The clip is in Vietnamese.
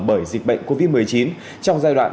bởi dịch bệnh covid một mươi chín trong giai đoạn